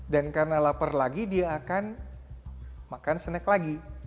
dan karena lapar lagi dia akan makan snack lagi